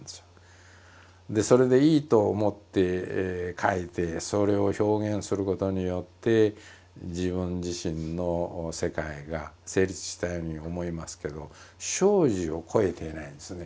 それでいいと思って書いてそれを表現することによって自分自身の世界が成立したように思いますけど生死をこえていないんですね。